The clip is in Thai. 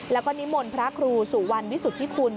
แล้วก็นิมนต์พระครูสุวรรณวิสุทธิคุณ